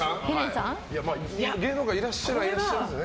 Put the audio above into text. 芸能界いらっしゃるはいらっしゃいますよ。